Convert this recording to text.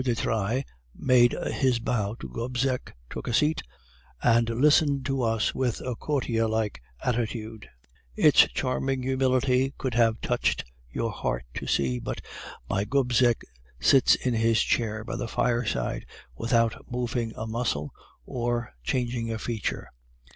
de Trailles made his bow to Gobseck, took a seat, and listened to us with a courtier like attitude; its charming humility would have touched your heart to see, but my Gobseck sits in his chair by the fireside without moving a muscle, or changing a feature.